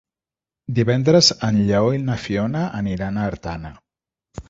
Divendres en Lleó i na Fiona aniran a Artana.